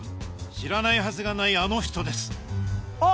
知らないはずがないあの人です